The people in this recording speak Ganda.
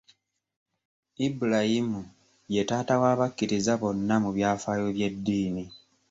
Ibrahim ye taata w'abakkiriza bonna mu byafaayo by'eddiini.